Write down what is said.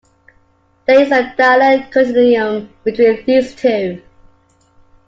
There is a dialect continuum between these two.